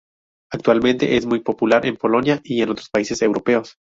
Actualmente es muy popular en Polonia y en otros países europeos.